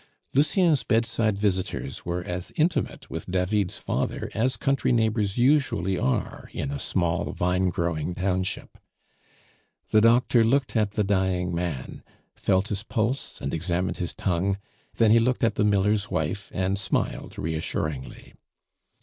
Lucien's bedside visitors were as intimate with David's father as country neighbors usually are in a small vine growing township. The doctor looked at the dying man, felt his pulse, and examined his tongue; then he looked at the miller's wife, and smiled reassuringly.